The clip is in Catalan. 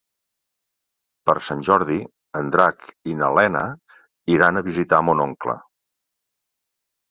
Per Sant Jordi en Drac i na Lena iran a visitar mon oncle.